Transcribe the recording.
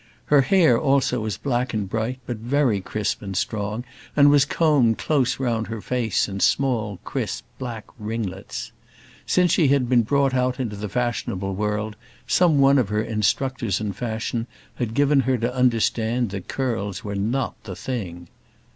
Her hair also was black and bright, but very crisp, and strong, and was combed close round her face in small crisp black ringlets. Since she had been brought out into the fashionable world some one of her instructors in fashion had given her to understand that curls were not the thing.